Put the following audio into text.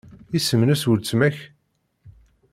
Isem-nnes weltma-k?